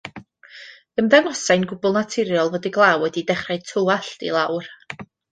Ymddangosai'n gwbl naturiol fod y glaw wedi dechrau tywallt i lawr.